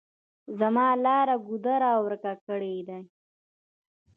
زما لار ګودر ورک کړي دي.